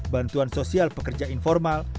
bantuan sosial pekerja informal